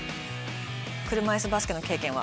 車いすバスケの経験は？